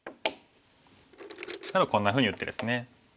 こんなふうに打ってですね。